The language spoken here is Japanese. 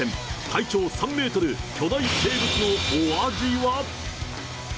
体長３メートル、巨大生物のお味は？